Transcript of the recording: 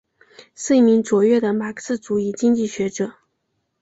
是一名卓越的马克思主义经济学者。